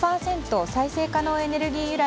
再生可能エネルギー